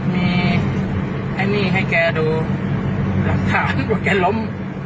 มีไอ้นี่ให้แกดูหลักฐานว่าแกล้ม